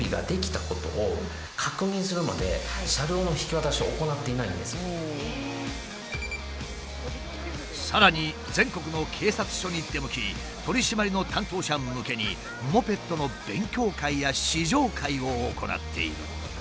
私たちとしてはさらに全国の警察署に出向き取り締まりの担当者向けにモペットの勉強会や試乗会を行っている。